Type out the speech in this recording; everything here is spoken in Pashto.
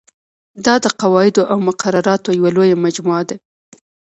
دا د قواعدو او مقرراتو یوه لویه مجموعه ده.